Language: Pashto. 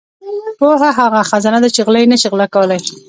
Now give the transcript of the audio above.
• پوهه هغه خزانه ده چې غله یې نشي غلا کولای.